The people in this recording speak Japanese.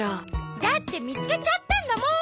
だってみつけちゃったんだもん。